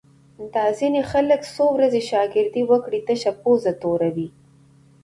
دا ځینې خلک څو ورځې شاگردي وکړي، تشه پوزه توره کړي